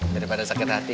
daripada sakit hati